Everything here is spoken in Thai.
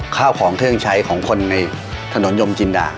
ข้าวของเครื่องใช้ของคนในถนนยมจินดา